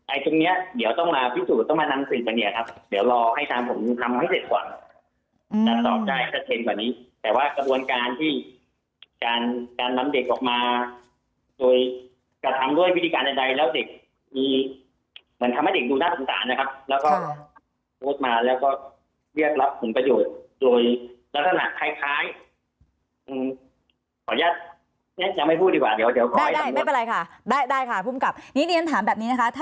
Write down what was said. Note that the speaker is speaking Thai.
ไอ้ตรงเนี้ยเดี๋ยวต้องมาพิสูจน์ต้องมานำสิ่งกันเนี่ยครับเดี๋ยวรอให้ทางผมทำให้เสร็จก่อนอืมแล้วตอบใจชัดเช็นกว่านี้แต่ว่ากระบวนการที่การการนำเด็กออกมาโดยกระทำด้วยวิธีการใดใดแล้วเด็กมีเหมือนทำให้เด็กดูน่าสงสารนะครับแล้วก็โทษมาแล้วก็เรียกรับคุณประโยชน์โดยลักษ